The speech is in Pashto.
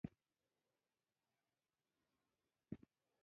پښتون اولس و روزئ.